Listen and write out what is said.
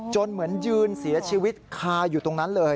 เหมือนยืนเสียชีวิตคาอยู่ตรงนั้นเลย